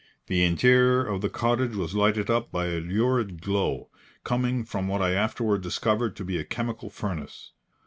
The interior of the cottage was lighted up by a lurid glow, coming from what I afterward discovered to be a chemical furnace.